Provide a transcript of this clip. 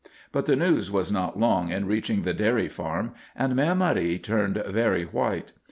But the news was not long in reaching the dairy farm, and Mère Marie turned very white.